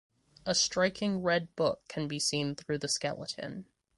A striking red book can be seen through the skeleton.